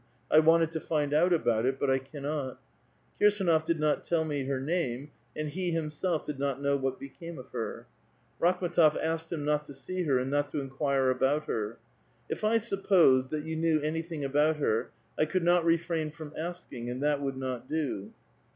I wanted to find out about it, but I cannot. Kir sdnof did not tell me her name, and he himself did not know what became of her. Rakhm^tof asked him not to see her and not to inquire about her. " If I supposed that you knew anything about her, I could not refrain f ix>m asking, and that would not do."